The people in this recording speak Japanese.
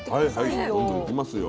どんどんいきますよ。